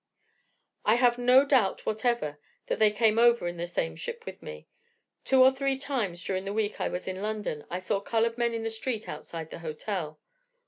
"I have no doubt whatever that they came over in the same ship with me. Two or three times during the week I was in London I saw colored men in the street outside the hotel.